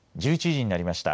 １１時になりました。